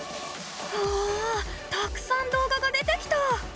うわたくさん動画が出てきた！